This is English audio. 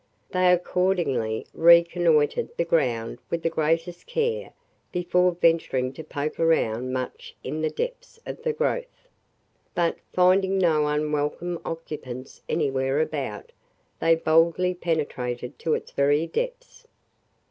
They accordingly reconnoitered the ground with the greatest care before venturing to poke around much in the depths of the growth. But, finding no unwelcome occupants anywhere about, they boldly penetrated to its very depths.